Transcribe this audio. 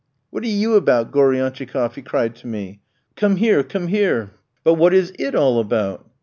"What are you about, Goriantchikoff?" he cried to me; "come here, come here!" "But what is it all about?"